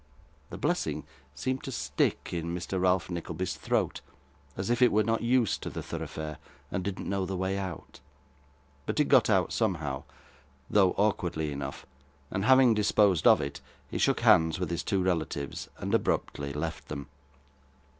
The blessing seemed to stick in Mr. Ralph Nickleby's throat, as if it were not used to the thoroughfare, and didn't know the way out. But it got out somehow, though awkwardly enough; and having disposed of it, he shook hands with his two relatives, and abruptly left them.